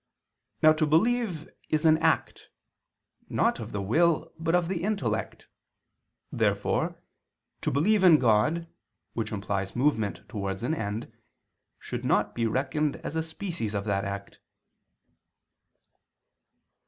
Now to believe is an act, not of the will, but of the intellect. Therefore "to believe in God," which implies movement towards an end, should not be reckoned as a species of that act.